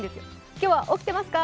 今日は起きてますか。